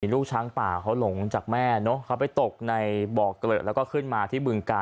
ลูกช้างป่าเขาหลงจากแม่เนอะเขาไปตกในบ่อเกลอะแล้วก็ขึ้นมาที่บึงกาล